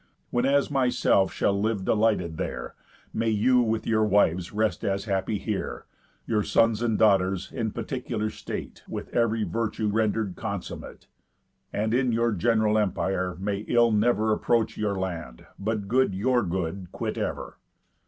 When, as myself shall live delighted there, May you with your wives rest as happy here, Your sons and daughters, in particular state, With ev'ry virtue render'd consummate; And, in your gen'ral empire, may ill never Approach your land, but good your good quit ever."